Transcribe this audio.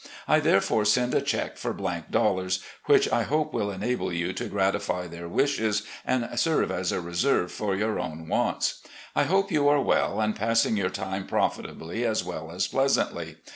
I therefore send a check for dollars, which I hope will enable you to gratify their wishes and serve as a reserve for your own wants. I hope you are well and passing your time profitably as well as pleasantly.